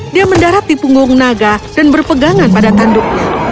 dia mendarat di punggung naga dan berpegangan pada tanduknya